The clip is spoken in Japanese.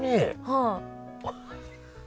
はい。